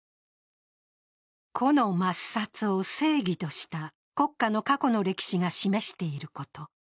個の抹殺を正義とした国家の過去の歴史が示していること。